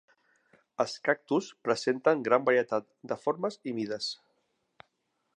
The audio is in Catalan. Els cactus presenten gran varietat de formes i mides.